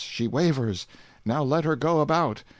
She wavers! Now let her go about!